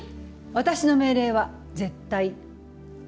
私の命令は絶対。